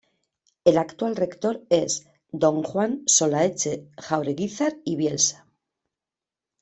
El actual Rector es D. Juan Solaeche-Jaureguizar y Bielsa.